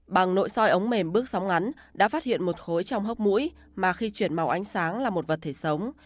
bằng nội soi ống mềm bước sóng ngắn đã phát hiện một khối trong hốc mũi mà khi chuyển màu ánh sáng là một vật thể sống